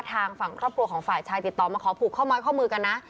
ทางฝั่งครอบครัวของฝ่ายชายติดต่อมาขอผูกข้อม้อยข้อมือกันนะ